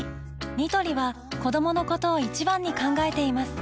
ニトリは子どものことを一番に考えています